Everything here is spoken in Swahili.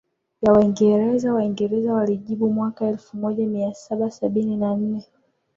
ya Waingereza Waingereza walijibu mwaka elfumoja miasaba sabini na nne